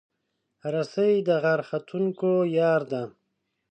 رسۍ د غر ختونکو یار ده.